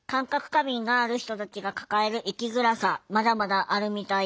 過敏がある人たちが抱える生きづらさまだまだあるみたいです。